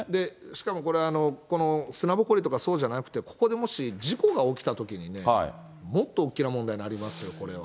しかもこれ、砂ぼこりとかそうじゃなくて、ここでもし事故が起きたときにね、もっと大きな問題になりますよ、これは。